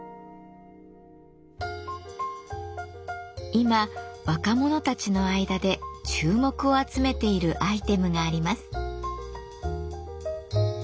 今若者たちの間で注目を集めているアイテムがあります。